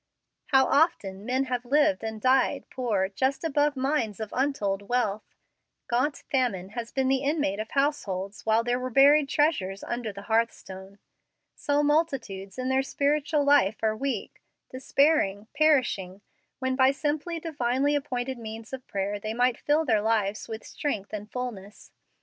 How often men have lived and died poor just above mines of untold wealth! Gaunt famine has been the inmate of households while there were buried treasures under the hearthstone. So multitudes in their spiritual life are weak, despairing, perishing, when by the simple divinely appointed means of prayer they might fill their lives with strength and fulness.